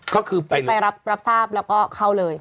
ก็คือไปรับทราบแล้วก็เข้าเลย